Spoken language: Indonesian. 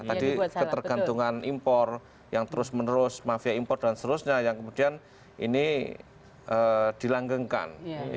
tadi ketergantungan impor yang terus menerus mafia impor dan seterusnya yang kemudian ini dilanggengkan